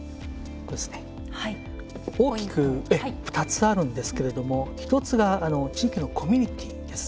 大きく２つあるんですが１つが地域のコミュニティーです。